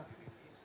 ya secara acak